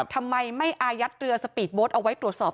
ทำไมไม่อายัดเรือสปีดโบ๊ทเอาไว้ตรวจสอบ